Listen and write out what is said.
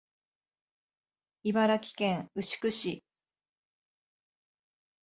茨城県牛久市